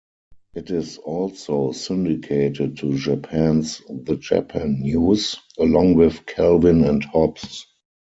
It is also syndicated to Japan's "The Japan News" along with "Calvin and Hobbes".